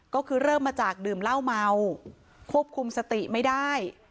ก็คือเริ่มมาจากดื่มเหล้าเมาควบคุมสติไม่ได้